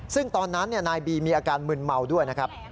ซึ่งตอนนั้นนายบีมีอาการมึนเมาด้วยนะครับ